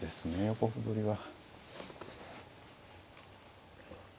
横歩取りは。